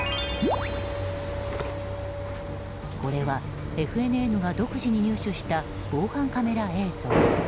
これは、ＦＮＮが独自に入手した防犯カメラ映像。